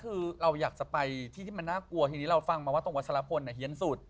คือเราอยากจะไปที่ที่มันน่ากลัวทีนี้เราฟังมาว่าตรงวัชลพลเฮียนสุด